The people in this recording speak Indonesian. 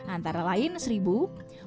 antara itu adalah